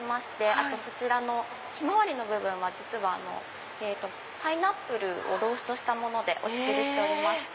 あとそちらのヒマワリの部分はパイナップルをローストしたものでお作りしておりまして。